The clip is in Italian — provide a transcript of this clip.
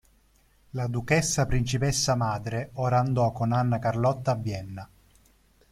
La duchessa principessa madre ora andò con Anna Carlotta a Vienna.